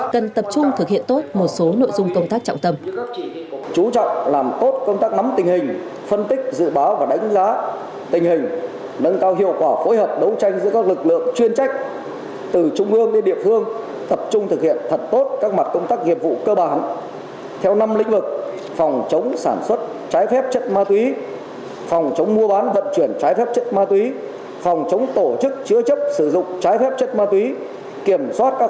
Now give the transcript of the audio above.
cần tập trung thực hiện tốt một số nội dung công tác trọng tâm